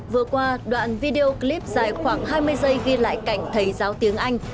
vừa qua đoạn video clip dài khoảng hai mươi giây ghi lại cảnh thầy giáo tiếng anh